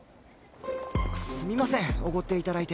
すみませんおごって頂いて。